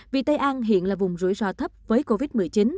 vì tây an hiện là vùng rủi ro thấp với covid một mươi chín